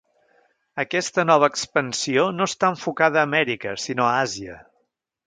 Aquesta nova expansió no està enfocada a Amèrica, sinó a Àsia.